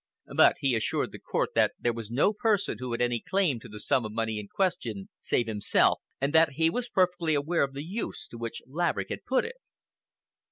But he assured the court that there was no person who had any claim to the sum of money in question save himself, and that he was perfectly aware of the use to which Laverick had put it.